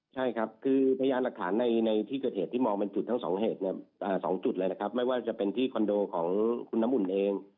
ใช่ครับคือพยานหลักฐานในที่เกิดเหตุที่มองเป็นจุดทั้งสองเหตุเนี่ย๒จุดเลยนะครับไม่ว่าจะเป็นที่คอนโดของคุณน้ำอุ่นเอง